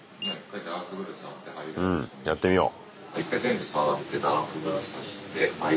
うんやってみよう。